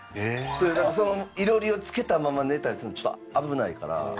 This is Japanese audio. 囲炉裏をつけたまま寝たりするのちょっと危ないから。